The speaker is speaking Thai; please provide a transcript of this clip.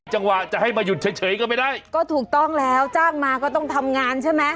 จังหวะจะให้มาหยุดเฉยเฉยก็ไม่ได้ก็ถูกต้องแล้วจ้างมาก็ต้องทำงานใช่ไหม